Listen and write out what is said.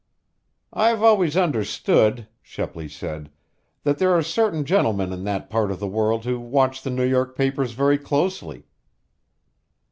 "I've always understood," Shepley said, "that there are certain gentlemen in that part of the world who watch the New York papers very closely."